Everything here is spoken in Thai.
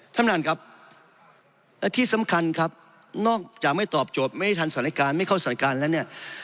ท่านประธานครับและที่สำคัญครับนอกจากไม่ตอบโจทย์ไม่ทันสถานการณ์ไม่เข้าสถานการณ์แล้วเนี่ย